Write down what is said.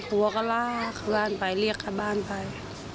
ผู้ก็ลากเขาบ้านไปเรียกเขาบ้านไป